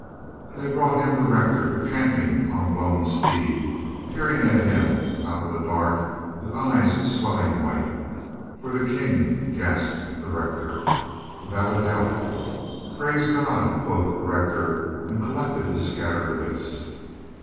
They brought him the rector, panting on a blown steed, peering at him out of the dark with eyes swelling white. "For the King?" gasped the rector. "Without doubt." "Praise God," quoth the rector, and collected his scattered wits.